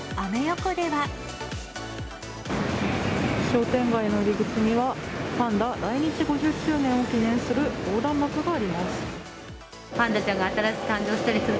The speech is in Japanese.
商店街の入り口には、パンダ来日５０周年を記念する横断幕があります。